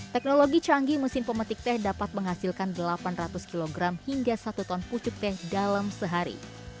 teknologi canggih mesin pemetik teh dapat menghasilkan delapan ratus kg hingga satu ton pucuk teh dalam sehari